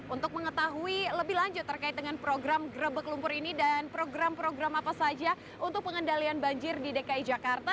untuk mengetahui lebih lanjut terkait dengan program grebek lumpur ini dan program program apa saja untuk pengendalian banjir di dki jakarta